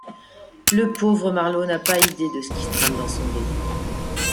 Le pauvre Marleau n'a pas idée de ce qui se trame dans son dos.